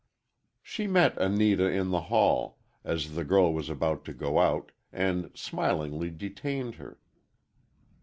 She met Anita in the hall, as the girl was about to go out, and smilingly detained her.